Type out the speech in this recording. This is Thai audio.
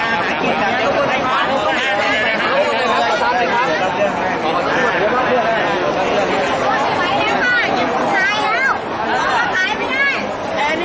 อาหรับเชี่ยวจามันไม่มีควรหยุด